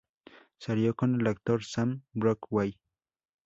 Salió con el actor Sam Rockwell.